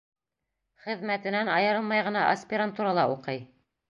Хеҙмәтенән айырылмай ғына аспирантурала уҡый.